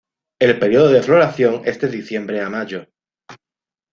El periodo de floración es de diciembre a mayo.